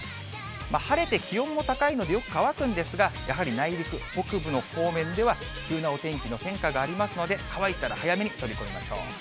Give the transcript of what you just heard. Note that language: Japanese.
晴れて気温も高いので、よく乾くんですが、やはり内陸、北部の方面では急なお天気の変化がありますので、乾いたら早めに取り込みましょう。